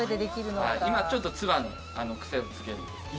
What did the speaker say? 今ちょっとツバのクセをつける。